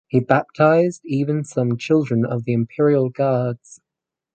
He baptised even some children of the Imperial Guards.